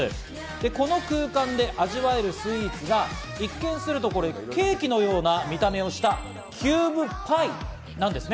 この空間で味わえるスイーツが一見すると、ケーキのような見た目をしたキューブパイなんですね。